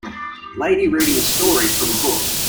Lady reading a story from a book.